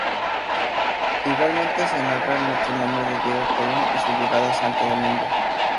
Igualmente se narra el matrimonio de Diego Colón y su llegada a Santo Domingo.